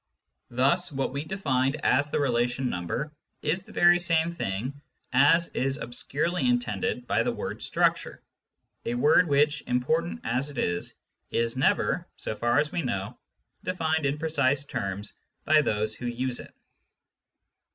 Thus what we defined as the " relation number " is the very same thing as is obscurely intended by the word " structure "— a word which, important as it is, is never (so far as we know) defined in precise terms by those who use it.